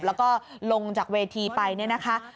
แล้วก็ลงจากเวทีไปเนี่ยนะคะ